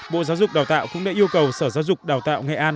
bộ giáo dục đào tạo cũng đã yêu cầu sở giáo dục đào tạo nghệ an